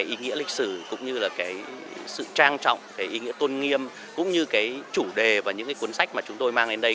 ý nghĩa lịch sử sự trang trọng ý nghĩa tôn nghiêm cũng như chủ đề và những cuốn sách mà chúng tôi mang lên đây